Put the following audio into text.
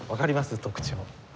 特徴。